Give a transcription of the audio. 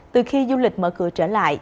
từ khi du lịch mở cửa trở lại